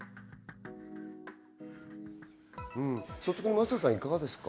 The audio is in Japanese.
真麻さん、いかがですか？